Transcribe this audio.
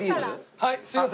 はいすいません。